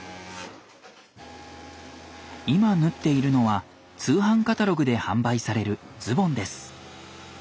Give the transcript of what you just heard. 今縫っているのは通販カタログで販売されるズボンです。